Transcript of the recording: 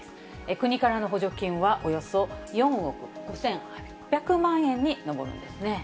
国からの補助金はおよそ４億５８００万円に上るんですね。